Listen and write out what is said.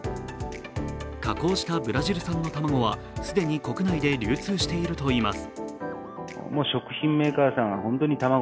加工したブラジル産の卵は既に国内で流通しているといいます。